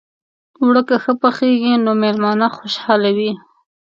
اوړه که ښه پخېږي، نو میلمانه خوشحاله وي